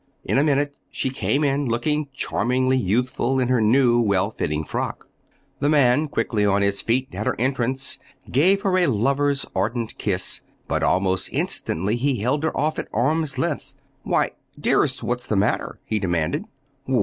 In a minute she came in, looking charmingly youthful in her new, well fitting frock. The man, quickly on his feet at her entrance, gave her a lover's ardent kiss; but almost instantly he held her off at arms' length. "Why, dearest, what's the matter?" he demanded.